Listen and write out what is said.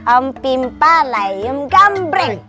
om pimpah alayum gambreng